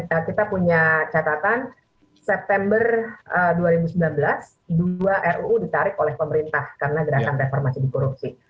karena kita punya catatan september dua ribu sembilan belas dua ruu ditarik oleh pemerintah karena gerakan reformasi dikorupsi